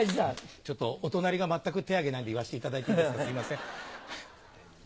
ちょっとお隣が全く手を挙げないので、言わせていただいていいですか、すみません。